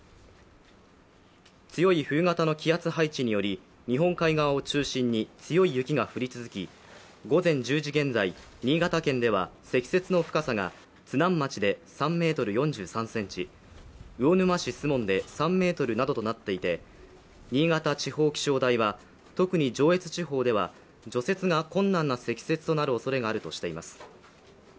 強い冬型の気圧配置により日本海側を中心に強い雪が降り続き、午前１０時現在、新潟県では積雪の深さが津南町で３ｍ４３ｃｍ、魚沼市守門で３ｍなどとなっていて、新潟地方気象台は特に上越地方では除雪が困難な積雪になるおそれがあるとしています。